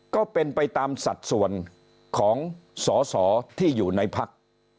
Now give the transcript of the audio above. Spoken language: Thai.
ก็เป็นไปตามสัดส่วนของสอสอที่อยู่ในพัก